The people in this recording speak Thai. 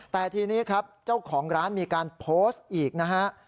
แต่ทีนี้ครับเจ้าของร้านมีการโพสต์อีกนะฮะ